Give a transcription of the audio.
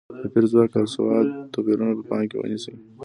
د پېر ځواک او سواد توپیرونه په پام کې ونیسي.